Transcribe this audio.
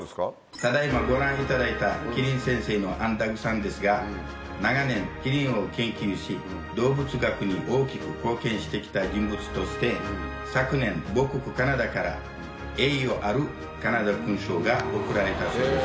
ただ今ご覧いただいたキリン先生のアン・ダッグさんですが、長年、キリンを研究し、動物学に大きく貢献してきた人物として、昨年、母国カナダから、栄誉あるカナダ勲章が贈られたということです。